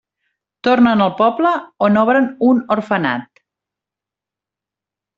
Tornen al poble on obren un orfenat.